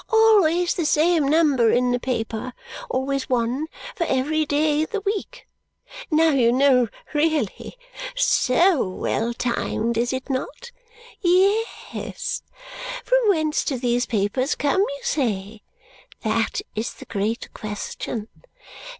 Always the same number in the paper. Always one for every day in the week. Now you know, really! So well timed, is it not? Ye es! From whence do these papers come, you say? That is the great question.